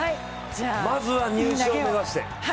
まずは入賞目指して。